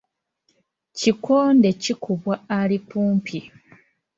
Kikonde kikubwa ali kumpi.